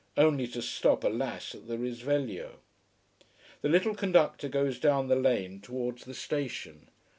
Only to stop, alas, at the Risveglio. The little conductor goes down the lane towards the station.